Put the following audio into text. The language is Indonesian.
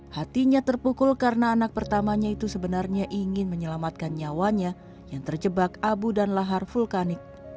hatinya terpukul karena anak pertamanya itu sebenarnya ingin menyelamatkan nyawanya yang terjebak abu dan lahar vulkanik